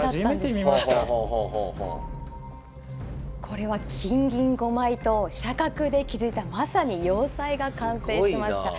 これは金銀５枚と飛車角で築いたまさに要塞が完成しました。